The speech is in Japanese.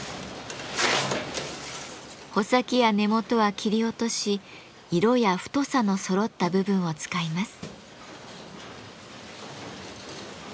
穂先や根元は切り落とし色や太さのそろった部分を使います。